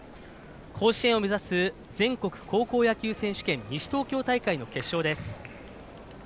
甲子園を目指す全国高校野球選手権西東京大会の決勝戦です。